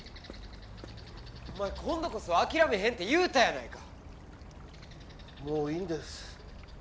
お前今度こそ諦めへんって言うたやないかもういいんです